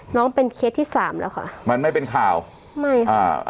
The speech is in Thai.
น้องเป็นเคสที่สามแล้วค่ะมันไม่เป็นข่าวไม่ค่ะ